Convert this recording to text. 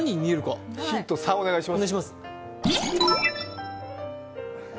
ヒント３をお願いします。